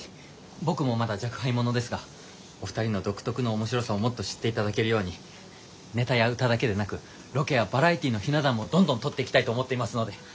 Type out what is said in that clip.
僕もまだ若輩者ですがお二人の独特の面白さをもっと知って頂けるようにネタや歌だけでなくロケやバラエティーのひな壇もどんどん取っていきたいと思っていますので。